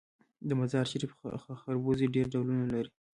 د مزار شریف خربوزې ډیر ډولونه لري.